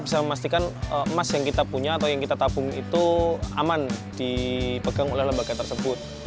bisa memastikan emas yang kita punya atau yang kita tabung itu aman dipegang oleh lembaga tersebut